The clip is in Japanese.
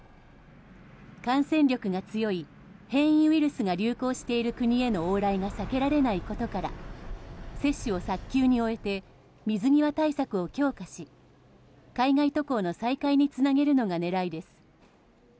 感染力が強い変異ウイルスが流行している国への往来が避けられないことから接種を早急に終えて水際対策を強化し海外渡航の再開につなげるのが狙いです。